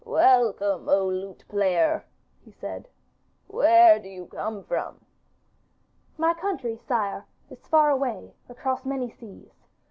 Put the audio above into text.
'Welcome, O lute player,' said he. 'Where do you come from?' 'My country, sire, is far away across many seas.